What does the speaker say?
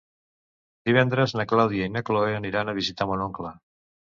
Divendres na Clàudia i na Cloè aniran a visitar mon oncle.